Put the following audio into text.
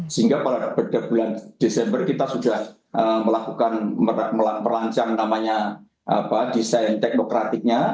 sehingga pada bulan desember kita sudah melakukan perancang namanya desain teknokratiknya